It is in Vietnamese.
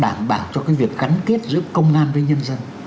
đảm bảo cho cái việc gắn kết giữa công an với nhân dân